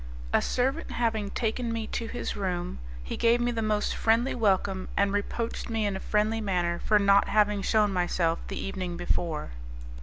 A servant having taken me to his room, he gave me the most friendly welcome, and reproached me in a friendly manner for not having shewn myself the evening before.